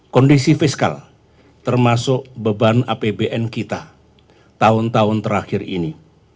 kondisi fiskal termasuk beban apbn kita tahun tahun terakhir ini